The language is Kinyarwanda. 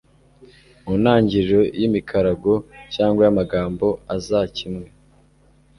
mu ntangiriro y'imikarago cyangwa y'amagambo azakimwe